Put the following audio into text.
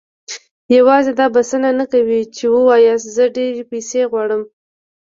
يوازې دا بسنه نه کوي چې وواياست زه ډېرې پيسې غواړم.